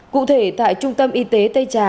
cụ thể tại trung tâm y tế tây trà